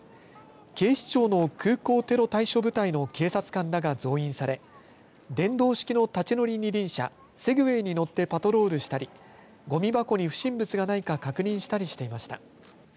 警視庁の空港テロ対処部隊の警察官らが増員され電動式の立ち乗り二輪車セグウェイに乗ってパトロールしたりごみ箱に不審物がないか確認したりしていました。